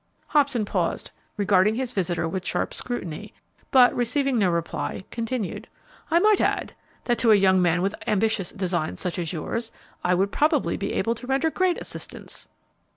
Hobson paused, regarding his visitor with sharp scrutiny, but receiving no reply, continued, "I might add, that to a young man with ambitious designs such as yours, I would probably be able to render great assistance."